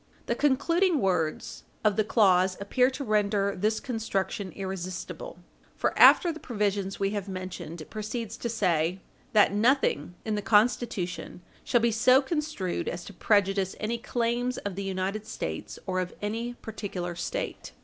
The concluding words of the clause appear to render this construction irresistible, for, after the provisions we have mentioned, it proceeds to say, "that nothing in the Constitution shall be so construed as to prejudice any claims of the United States, or of any particular State."